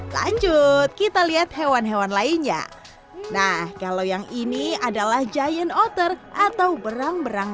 lanjut kita lihat hewan hewan lainnya nah kalau yang ini adalah giant otter atau berang berang